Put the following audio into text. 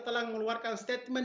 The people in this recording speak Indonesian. telah mengeluarkan statement